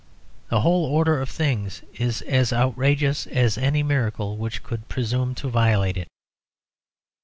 The whole order of things is as outrageous as any miracle which could presume to violate it.